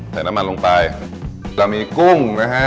ใส่น้ำมันลงไปจะมีกุ้งนะฮะ